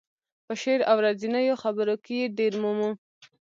په شعر او ورځنیو خبرو کې یې ډېر مومو.